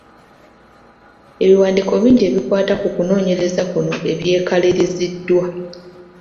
Ebiwandiiko bingi ebikwata ku kunoonyereza kuno ebyekaliriziddwa.